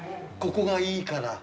ここがいいから？